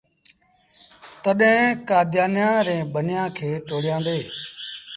تڏهيݩ ڪآديآنيآن ريٚݩ ٻنيآݩ کي ٽوڙيآندي۔